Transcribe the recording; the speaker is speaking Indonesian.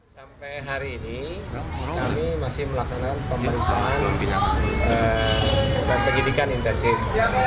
sampai hari ini kami masih melakukan pemeriksaan dan penyidikan intensif